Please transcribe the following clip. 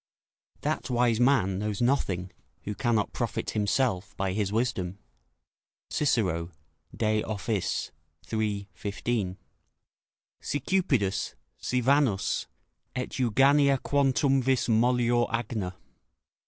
["That wise man knows nothing, who cannot profit himself by his wisdom." Cicero, De Offic., iii. 15.] "Si cupidus, si Vanus, et Euganea quantumvis mollior agna."